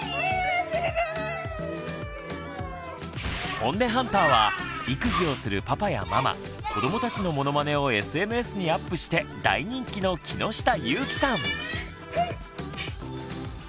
ホンネハンターは育児をするパパやママ子どもたちのモノマネをＳＮＳにアップして大人気の木下ゆーきさん。